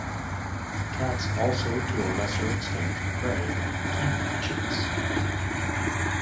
Cats also to a lesser extent prey on kiwi chicks.